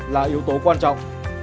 là yếu tố quan trọng